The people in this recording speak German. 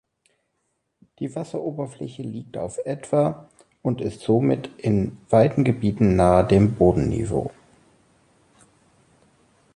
Die Wasseroberfläche liegt auf etwa und ist somit in weiten Gebieten nahe dem Bodenniveau.